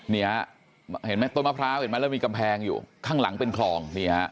เห็นไหมต้นมะพร้าวเห็นไหมแล้วมีกำแพงอยู่ข้างหลังเป็นคลอง